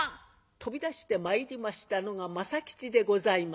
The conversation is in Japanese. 飛び出してまいりましたのが政吉でございます。